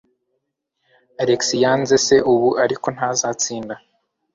Alex yanze se ubu, ariko ntazatsinda.